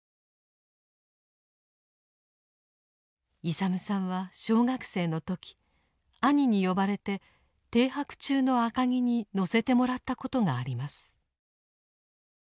勇さんは小学生の時兄に呼ばれて停泊中の赤城に乗せてもらったことがあります。